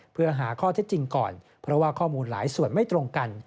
เพื่อหาข้อเท็จจริงก่อนเพราะว่าข้อมูลหลายส่วนไม่ตรงกัน